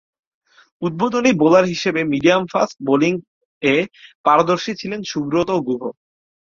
উদ্বোধনী বোলার হিসেবে মিডিয়াম-ফাস্ট বোলিংয়ে পারদর্শী ছিলেন সুব্রত গুহ।